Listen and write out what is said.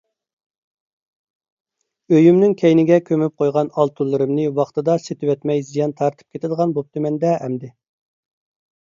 ئۆيۈمنىڭ كەينىگە كۆمۈپ قويغان ئالتۇنلىرىمنى ۋاقتىدا سېتىۋەتمەي زىيان تارتىپ كېتىدىغان بوپتىمەن-دە ئەمدى!